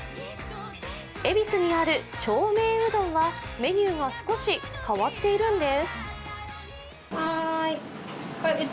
恵比寿にある長命うどんはメニューが少し変わっているんです。